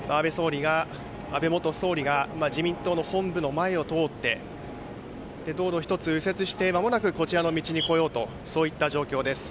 安倍元総理が自民党本部の前を通って道路１つ右折して間もなくこちらの道に来ようとそういった状況です。